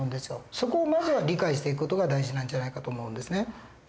そこをまずは理解していく事が大事なんじゃないかと思うんですね。